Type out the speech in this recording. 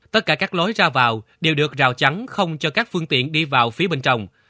tất cả các lối ra vào đều được rào chắn không cho các phương tiện đi vào phía bên trong